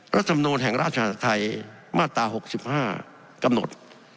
รัฐมนูลแห่งราชไทยมาตรา๖๕กำหนด